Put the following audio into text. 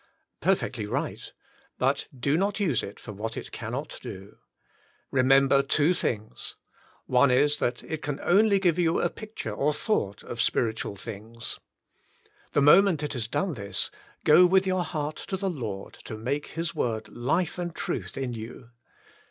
Perfectly right. But do not use it for what it cannot do. Eemember two things. One is, that it can only give you a picture or thought of spiritual things. The moment it has done this, go with your heart to the Lord to make His Word life and truth in you.